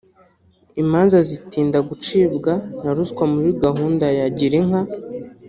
imanza zitinda gucibwa na ruswa muri gahunda ya Girinka